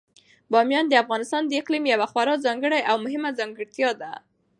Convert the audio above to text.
بامیان د افغانستان د اقلیم یوه خورا ځانګړې او مهمه ځانګړتیا ده.